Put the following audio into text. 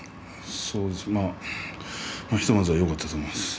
そうですね、ひとまずはよかったと思います。